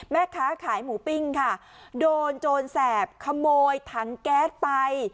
แม่ค้าขายหมูปิ้งค่ะโดนโจรแสบขโมยถังแก๊สไป